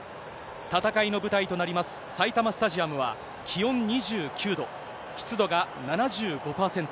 戦いの舞台となります埼玉スタジアムは、気温２９度、湿度が７５％。